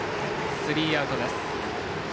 スリーアウトです。